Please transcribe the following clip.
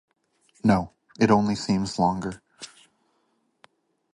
No, it only seems longer.